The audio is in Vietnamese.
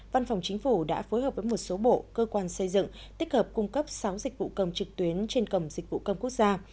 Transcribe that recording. văn phòng chính phủ đã phối hợp với một số bộ cơ quan xây dựng tích hợp cung cấp sáu dịch vụ công trực tuyến trên cổng dịch vụ công quốc gia